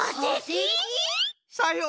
さよう。